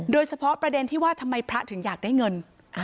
โดยเฉพาะประเด็นที่ว่าทำไมพระถึงอยากได้เงิน